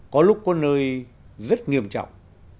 có lúc có nơi rất nghiêm trọng